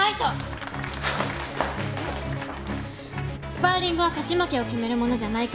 スパーリングは勝ち負けを決めるものじゃないけど。